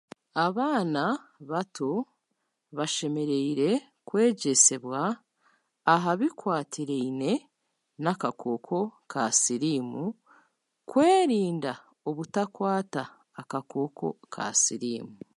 Abaana bato bashemereire kwegyesibwa aha bikwatiriine n'akakooko ka siriimu kwerinda obutakwata akakooko ka siriimu.